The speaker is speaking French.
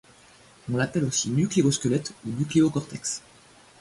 On l'appelle aussi nucléosquelette ou nucléocortex.